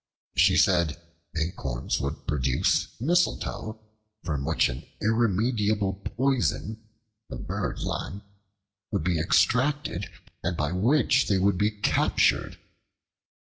She said acorns would produce mistletoe, from which an irremediable poison, the bird lime, would be extracted and by which they would be captured.